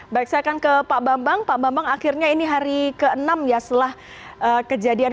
baik saya akan ke pak bambang pak bambang akhirnya ini hari ke enam ya setelah kejadian